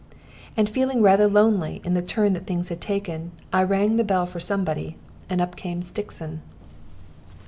And feeling rather lonely in the turn that things had taken, I rang the bell for somebody; and up came Stixon.